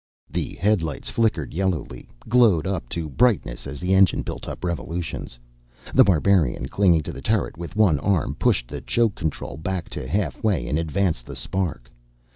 The headlights flickered yellowly, glowed up to brightness as the engine built up revolutions. The Barbarian, clinging to the turret with one arm, pushed the choke control back to halfway and advanced the spark.